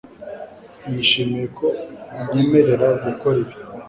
nishimiye ko unyemerera gukora ibi